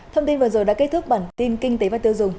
thông tin vừa rồi đã kết thúc bản tin kinh tế và tiêu dùng